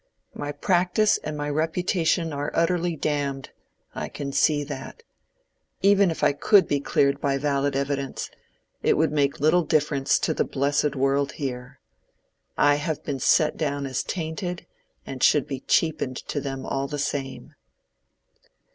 My practice and my reputation are utterly damned—I can see that. Even if I could be cleared by valid evidence, it would make little difference to the blessed world here. I have been set down as tainted and should be cheapened to them all the same."